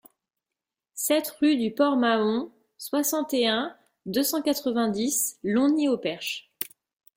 sept rue du Port Mahon, soixante et un, deux cent quatre-vingt-dix, Longny-au-Perche